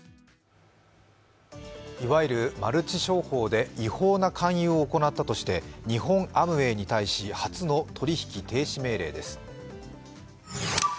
いわゆるマルチ商法で違法な勧誘を行ったとして日本アムウェイに対し初の取引停止命令です。